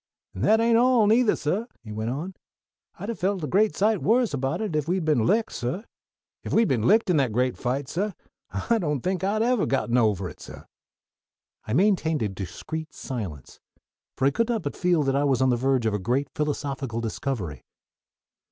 "An' that ain't all, neither, suh," he went on. "I'd ha' felt a great sight worse about it if we'd been licked, suh. If we'd been licked in that great fight, suh, I don't think I'd evah have got ovah it, suh." I maintained a discreet silence; for I could not but feel that I was on the verge of a great philosophical discovery.